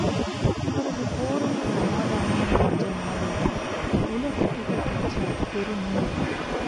இவரது போரும் சமாதானமும் என்ற நாவல் உலகப் புகழ் பெற்ற பெருநூல்!